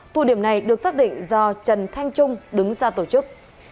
tụ điểm này được phát định do trần thanh trung đứng ra tổ chức